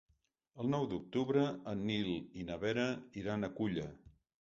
El nou d'octubre en Nil i na Vera iran a Culla.